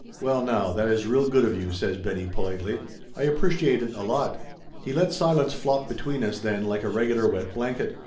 "Well now, that is real good of you," says Benny politely. "I appreciate it a lot." He let silence flop between us then like a regular wet blanket.